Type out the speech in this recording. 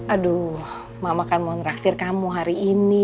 aduh mama kan mau ngeraktir kamu hari ini